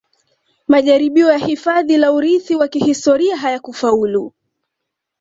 Majaribio ya hifadhi la urithi wa kihistoria hayakufaulu